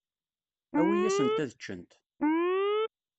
Awi-yasent ad ččent.